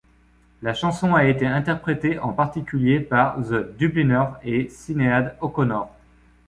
La chanson a été interprétée en particulier par The Dubliners et Sinéad O'Connor.